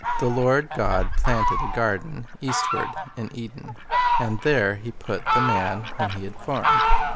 "The Lord God planted a garden eastward in Eden; and there He put the man whom He had formed.